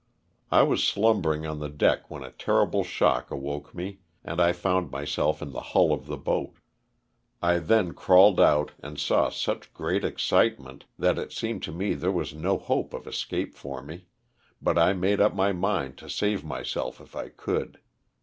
I was slumbering on the deck when a terrible shock awoke me and I found myself in the hull of the boat. I then crawled out and saw such great excitement that it seemed to me there was no hope of escape for me, but I made up my mind to save myself if I could.